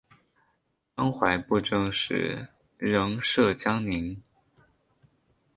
江淮布政使仍设江宁。